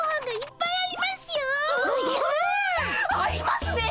ありますね！